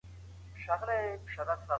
سردرد د خوراک د اندازې پورې تړلی دی.